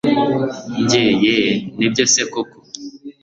njye yeeeeh! nibyo se koko!